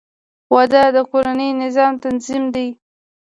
• واده د کورني نظام تنظیم دی.